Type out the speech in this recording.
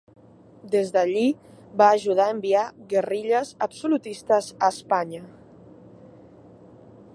Des d'allí va ajudar a enviar guerrilles absolutistes a Espanya.